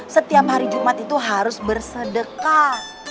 setiap hari jumat itu harus bersedekah